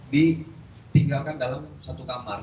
ditinggalkan dalam satu kamar